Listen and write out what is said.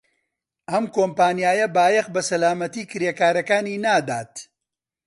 ئەم کۆمپانیایە بایەخ بە سەلامەتیی کرێکارەکانی نادات.